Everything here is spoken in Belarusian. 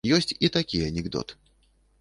Ёсць і такі анекдот.